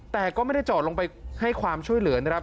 แต่ก็ไม่ได้จอดลงไปให้ความช่วยเหลือนะครับ